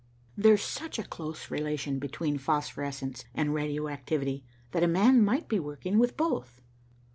There's such a close relation between phosphorescence and radioactivity, that a man might be working with both."